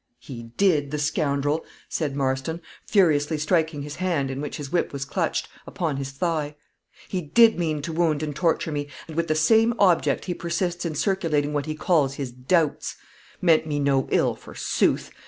"He did the scoundrel!" said Marston, furiously striking his hand, in which his whip was clutched, upon his thigh; "he did mean to wound and torture me; and with the same object he persists in circulating what he calls his doubts. Meant me no ill, forsooth!